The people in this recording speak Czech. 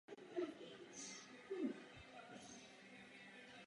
Na jednáních se budou rovněž podílet odborníci v oblasti rozvoje.